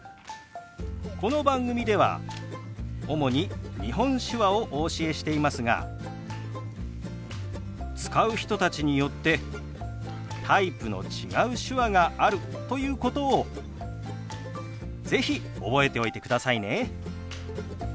この番組では主に日本手話をお教えしていますが使う人たちによってタイプの違う手話があるということを是非覚えておいてくださいね。